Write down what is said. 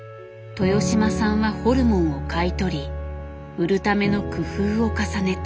豊島さんはホルモンを買い取り売るための工夫を重ねた。